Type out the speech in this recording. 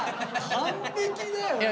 完璧だよね。